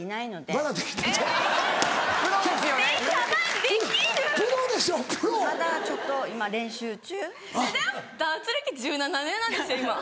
ダーツ歴１７年なんですよ今。